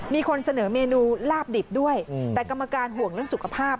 มีคนเสนอเมนูลาบดิบด้วยแต่กรรมการห่วงเรื่องสุขภาพ